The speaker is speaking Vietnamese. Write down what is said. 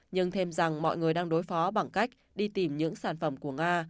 nhưng thêm rằng mọi người đang đối phó bằng cách đi tìm những sản phẩm của nga